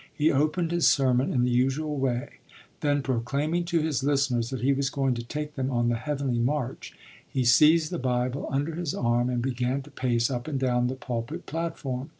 He opened his sermon in the usual way; then, proclaiming to his listeners that he was going to take them on the heavenly march, he seized the Bible under his arm and began to pace up and down the pulpit platform.